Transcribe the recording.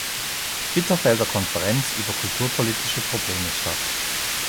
Bitterfelder Konferenz über kulturpolitische Probleme statt.